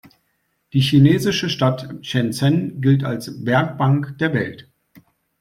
Die chinesische Stadt Shenzhen gilt als „Werkbank der Welt“.